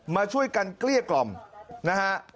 มาช่วยกันเกลี้ยกล่อมนะฮะ